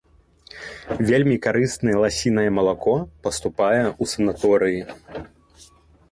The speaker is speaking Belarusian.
Вельмі карыснае ласінае малако паступае ў санаторыі.